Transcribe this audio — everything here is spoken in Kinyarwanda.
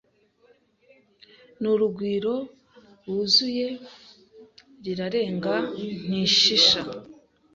N'urugwiro wuzuye, Rirarenga ntishisha